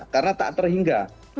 karena tak terhingga